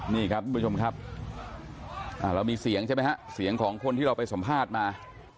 นี่ครับทุกผู้ชมครับเรามีเสียงใช่ไหมฮะเสียงของคนที่เราไปสัมภาษณ์มา